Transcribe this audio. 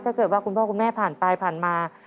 ถ้าเกิดว่าคุณพ่อคุณแม่ผ่านไปผ่านมา